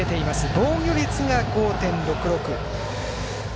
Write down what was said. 防御率が５．６６。